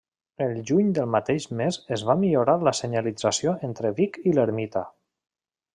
El Juny del mateix mes es va millorar la senyalització entre Vic i l'ermita.